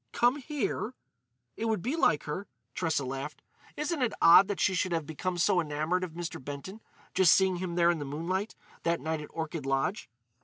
"Come here?" "It would be like her." Tressa laughed. "Isn't it odd that she should have become so enamoured of Mr. Benton—just seeing him there in the moonlight that night at Orchid Lodge?"